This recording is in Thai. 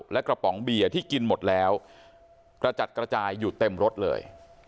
และกระป๋องเบียร์ที่กินหมดแล้วกระจัดกระจายอยู่เต็มรถเลย